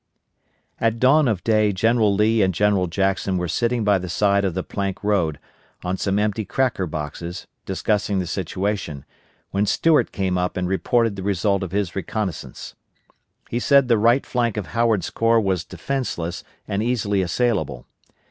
At dawn of day General Lee and General Jackson were sitting by the side of the plank road, on some empty cracker boxes, discussing the situation, when Stuart came up and reported the result of his reconnoissance. He said the right flank of Howard's corps was defenceless and easily assailable.